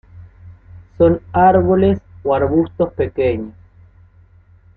Son árboles o arbustos pequeños.